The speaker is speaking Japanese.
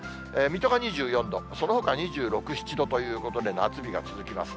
水戸が２４度、そのほか２６、７度ということで夏日が続きます。